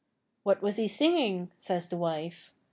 'What was he singing?' says the wife.